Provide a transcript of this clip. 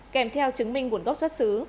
kèm theo chứng minh buồn gốc xuất xứ